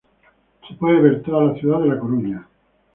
Se puede ver toda la ciudad de la Coruña.